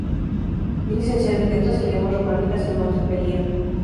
Es licenciada en Letras y Lenguas Románicas en Montpellier.